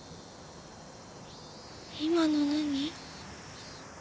今の何？